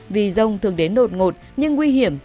vì rông thường đến đột ngột nhưng nguy hiểm